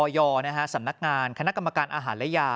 สำนักงานคณะกรรมการอาหารและยา